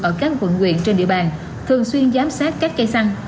ở các quận quyện trên địa bàn thường xuyên giám sát các cây xăng